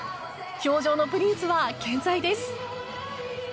氷上のプリンスは健在です。